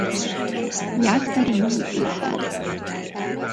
Jászberényi Lehel